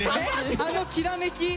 あのきらめき。